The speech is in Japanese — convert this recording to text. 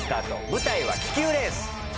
舞台は気球レース。